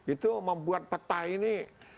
itu membuat peta ini